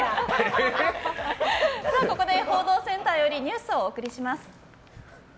ここで報道センターよりニュースをお送りします。